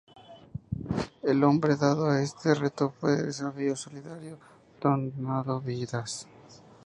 El nombre dado a este reto fue "Desafío Solidario Donando Vidas".